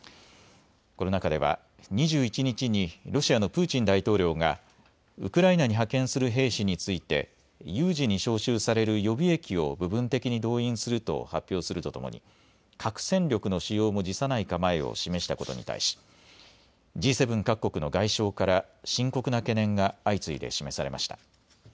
この中では２１日にロシアのプーチン大統領がウクライナに派遣する兵士について有事に招集される予備役を部分的に動員すると発表するとともに核戦力の使用も辞さない構えを示したことに対し、Ｇ７各国の外相から深刻な懸念が相次いで示されました。